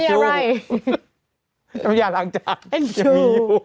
ฉันไม่อยากหลังจากยังมีอยู่